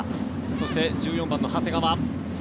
そして、１４番の長谷川。